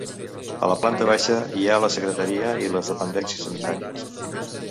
A la planta baixa hi ha la secretaria i les dependències sanitàries.